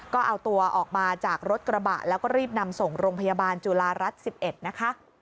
ก็เอาตัวออกมาจากรถกระบะแล้วก็รีบนำส่งโรงพยาบาลจุฬารัฐ๑๑นะคะ